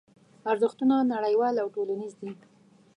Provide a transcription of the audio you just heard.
ارزښتونه نړیوال او ټولنیز دي.